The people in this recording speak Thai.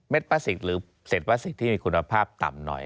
พลาสติกหรือเศษพลาสติกที่มีคุณภาพต่ำหน่อย